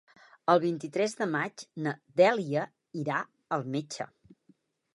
El vint-i-tres de maig na Dèlia irà al metge.